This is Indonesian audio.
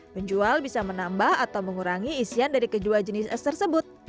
penjual bisa menambah atau mengurangi isian dari kedua jenis es tersebut